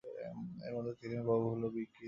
এর মধ্যে ছিল বহু ভুল ও বিকৃতি।